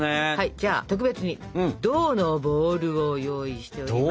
じゃあ特別に銅のボウルを用意しております。